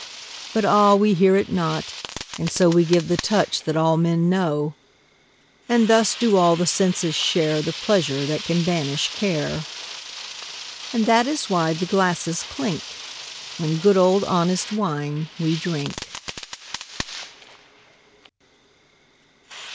But ah, we hear it not, and so We give the touch that all men know. And thus do all the senses share The pleasure that can banish care. And that is why the glasses clink When good old honest wine we drink.